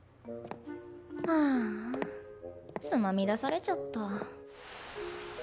ハァつまみ出されちゃった。